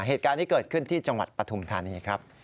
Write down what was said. เหตุการณ์นี้เกิดขึ้นที่จังหวัดปฐุมธานีครับ